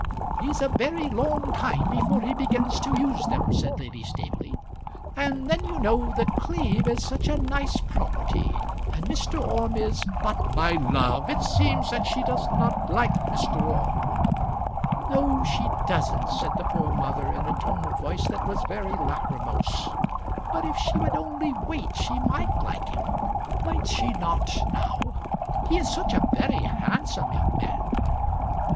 "He's a very long time before he begins to use them," said Lady Staveley. "And then you know The Cleeve is such a nice property, and Mr. Orme is " "But, my love, it seems that she does not like Mr. Orme." "No, she doesn't," said the poor mother in a tone of voice that was very lachrymose. "But if she would only wait she might like him, might she not now? He is such a very handsome young man."